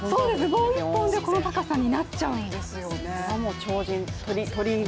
棒１本でこの高さになっちゃうんですよね。